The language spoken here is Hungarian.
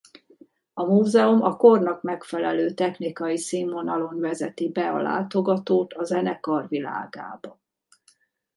A múzeum a kornak megfelelő technikai színvonalon vezeti be a látogatót a zenekar világába.